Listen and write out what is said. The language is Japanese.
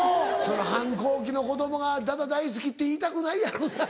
反抗期の子供が「ダダ大好き」って言いたくないやろな。